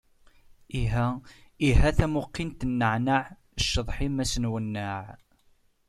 Iha, iha tamuqint n naɛnaɛ, cceḍḥ-im ass-a iwenneɛ.